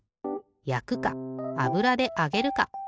やくかあぶらであげるか。